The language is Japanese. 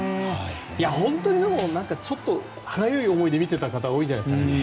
本当に歯がゆい思いで見てた方多いんじゃないですかね。